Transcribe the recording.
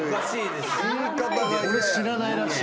俺死なないらしい。